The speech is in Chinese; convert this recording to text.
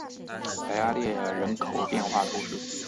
莱阿列人口变化图示